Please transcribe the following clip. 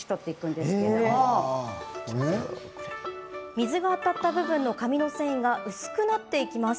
水が当たった部分の紙の繊維が薄くなっていきます。